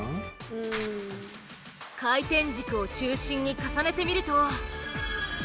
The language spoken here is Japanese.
回転軸を中心に重ねてみると。